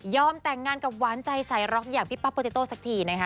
แต่งงานกับหวานใจสายร็อกอย่างพี่ปั๊บโปเตโต้สักทีนะคะ